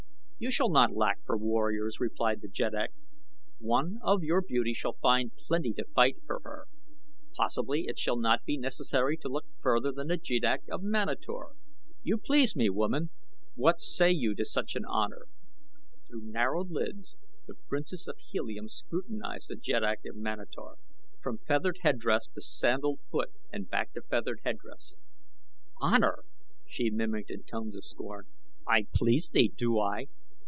"You shall not lack for warriors," replied the jeddak. "One of your beauty will find plenty ready to fight for her. Possibly it shall not be necessary to look farther than the jeddak of Manator. You please me, woman. What say you to such an honor?" Through narrowed lids the Princess of Helium scrutinized the Jeddak of Manator, from feathered headdress to sandaled foot and back to feathered headdress. "'Honor'!" she mimicked in tones of scorn. "I please thee, do I?